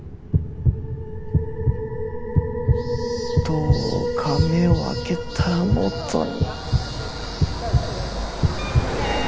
どうか目を開けたら元に